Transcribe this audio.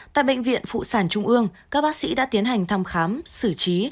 tại bệnh viện phụ sản trung ương các bác sĩ đã tiến hành thăm khám xử trí